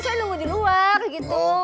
saya nunggu di luar gitu